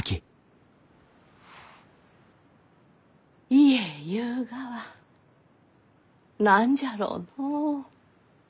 家ゆうがは何じゃろうのう？